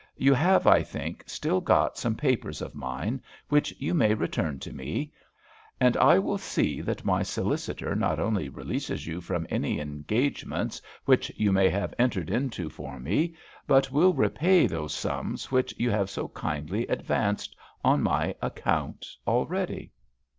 You have, I think, still got some papers of mine, which you may return to me; and I will see that my solicitor not only releases you from any engagements which you may have entered into for me, but will repay those sums which you have so kindly advanced on my account already."